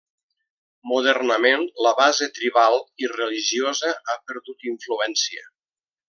Modernament la base tribal i religiosa ha perdut influència.